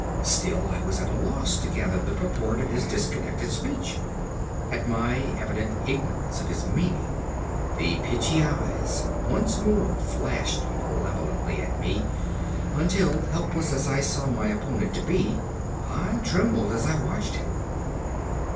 Still I was at a loss to gather the purport of his disconnected speech. At my evident ignorance of his meaning, the pitchy eyes once more flashed malevolently at me, until, helpless as I saw my opponent to be, I trembled as I watched him.